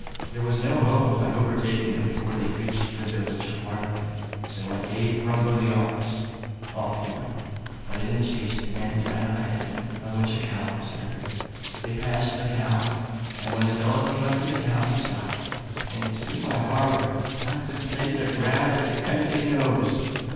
There was no hope of my overtaking them before they reached the village of Harlington, so I gave Grumbo the office. Off he went, but in the chase the men ran up a headland on which a cow was tethered. They passed the cow; and when the dog came up to the cow he stopped, and, to my horror, contemplated a grab at the tempting nose.